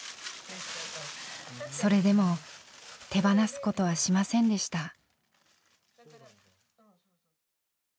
それでも手放すことはしませんでした。